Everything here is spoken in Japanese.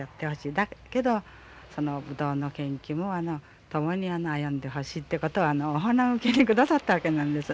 だけどブドウの研究も共に歩んでほしいってことをおはなむけにくださったわけなんです。